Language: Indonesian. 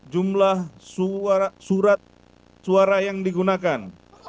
jumlah surat suara yang digunakan